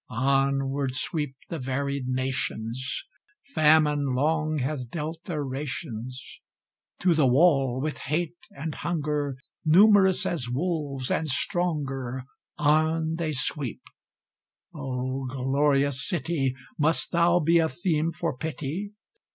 Onward sweep the varied nations! Famine long hath dealt their rations. To the wall, with hate and hunger, Numerous as wolves, and stronger, On they sweep. O glorious city! Must thou be a theme for pity?